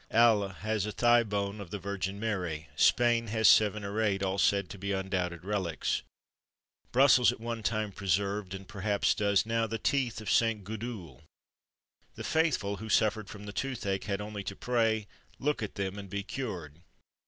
Halle has a thigh bone of the Virgin Mary; Spain has seven or eight, all said to be undoubted relics. Brussels at one time preserved, and perhaps does now, the teeth of St. Gudule. The faithful, who suffered from the toothache, had only to pray, look at them, and be cured.